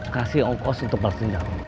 kasih ongkos untuk balas dendam